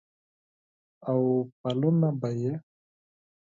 او قدمونه به یې،